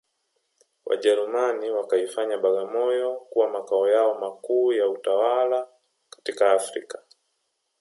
Wajerumani wakaifanya Bagamoyo kuwa makao yao makuu ya utawala katika Afrika